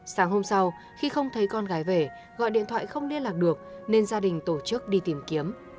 sáng hôm sau khi không thấy con gái về gọi điện thoại không liên lạc được nên gia đình tổ chức đi tìm kiếm